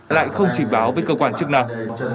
lại không trình báo với cơ quan chức năng